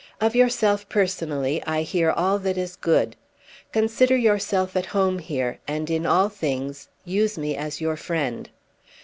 Of yourself personally I hear all that is good. Consider yourself at home here, and in all things use me as your friend."